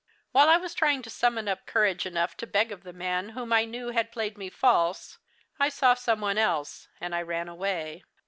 While I was trying to summon up courage enough to beg of the man whom I knew had played me false, I saw some one else, and I ran away.